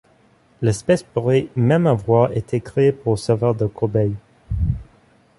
L'espèce pourrait même avoir été créée pour servir de cobaye.